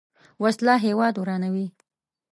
وسله هیواد ورانوي